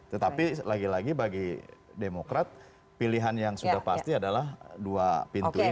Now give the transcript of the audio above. tetapi lagi lagi bagi demokrat pilihan yang sudah pasti adalah dua pintu ini